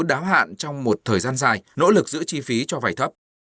đáo hạn trong một thời gian dài nỗ lực giữ chi phí cho vay thấp